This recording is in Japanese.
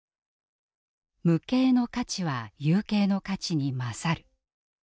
「無形の価値は有形の価値に優る」。